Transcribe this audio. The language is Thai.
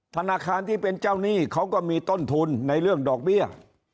ธนาคารที่เป็นเจ้าหนี้เขาก็มีต้นทุนในเรื่องดอกเบี้ย